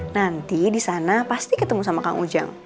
nanti di sana pasti ketemu sama kang ujang